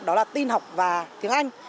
đó là tin học và tiếng anh